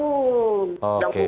hukum yang tidak berhenti